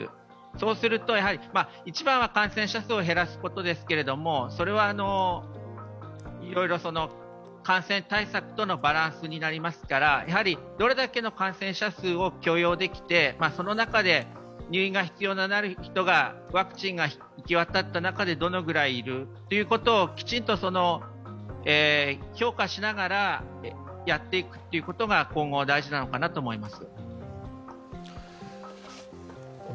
一番は感染者数を減らすことですけれども、それは感染対策とのバランスになりますからどれだけの感染者数を許容できてその中で入院が必要になる人が、ワクチンが行き渡った中でどのぐらいいるということをきちんと評価しながらやっていくということが今後、大事なのかなと思います。